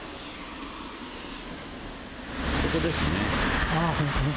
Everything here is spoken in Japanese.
ここですね。